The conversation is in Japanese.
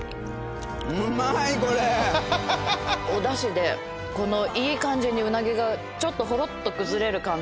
おだしでいい感じにうなぎがちょっとほろっと崩れる感じ。